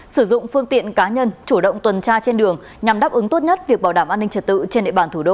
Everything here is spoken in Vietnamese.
sử dụng phương tiện cá nhân chủ động tuần tra trên đường nhằm đáp ứng tốt nhất việc bảo đảm an ninh trật tự trên địa bàn thủ đô